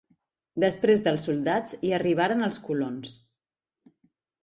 Després dels soldats, hi arribaren els colons.